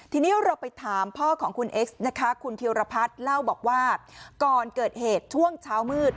ทีนี้เราไปถามพ่อของคุณเอ็กซ์นะคะคุณธิรพัฒน์เล่าบอกว่าก่อนเกิดเหตุช่วงเช้ามืด